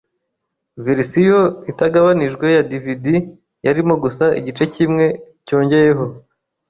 Verisiyo itagabanijwe ya DVD yarimo gusa igice kimwe cyongeyeho.